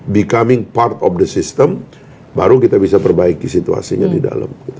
becoming part of the system baru kita bisa perbaiki situasinya di dalam